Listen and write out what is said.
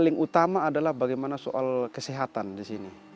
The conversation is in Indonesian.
paling utama adalah bagaimana soal kesehatan di sini